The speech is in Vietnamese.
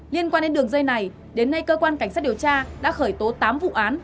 liên quan đến đường dây này đến nay cơ quan cảnh sát điều tra đã khởi tố tám vụ án